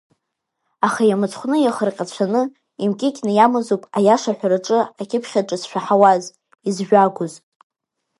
Аха иамыцхәны иахырҟьацәаны, имкьыкьны иамаз ауп аиаша ҳәараҿы акьыԥхь аҿы зшәаҳауаз, изжәагәоз.